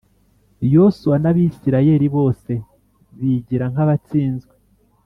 Yosuwa n Abisirayeli bose bigira nk abatsinzwe